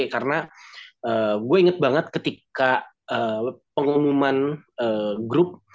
karena gue inget banget ketika pengumuman grup